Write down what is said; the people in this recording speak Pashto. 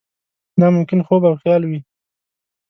دا ممکن خوب او خیال وي.